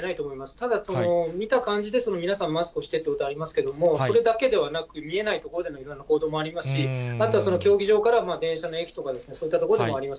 ただ、見た感じですと皆さん、マスクをしているということがありますけれども、それだけではなく、見えない所での行動もありますし、あとは競技場から電車の駅とか、そういった所でもあります。